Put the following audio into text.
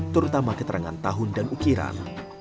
terutama keterangan tahun dan ukiran